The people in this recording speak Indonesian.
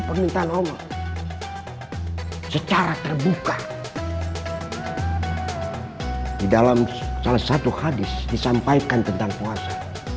permintaan allah secara terbuka di dalam salah satu hadis disampaikan tentang puasa